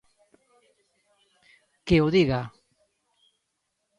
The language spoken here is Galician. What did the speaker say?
Que o diga.